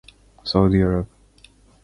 سعودی عرب